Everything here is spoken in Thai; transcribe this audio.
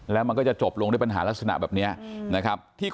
แล้วมันก็จะจบลงด้วยปัญหาลักษณะแบบนี้นะครับ